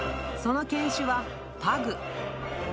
その犬種はパグ。